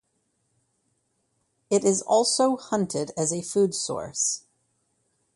It is also hunted as a food source.